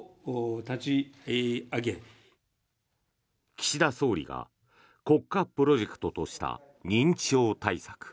岸田総理が国家プロジェクトとした認知症対策。